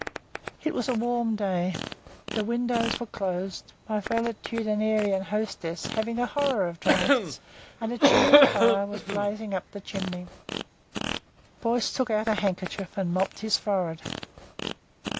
It was a warm day, the windows were closed, my valetudinarian hostess having a horror of draughts, and a cheery fire was blazing up the chimney. Boyce took out a handkerchief and mopped his forehead.